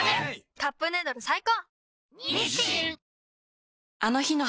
「カップヌードル」最高！